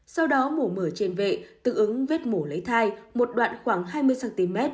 sau đó mổ mở trên vệ tự ứng vết mổ lấy thai một đoạn khoảng hai mươi cm